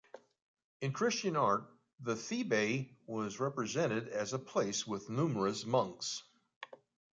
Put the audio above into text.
In Christian art, the Thebaid was represented as a place with numerous monks.